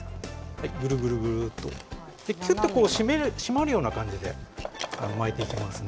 ぐるぐるっと、きゅっと締まるような感じで巻いていきますね。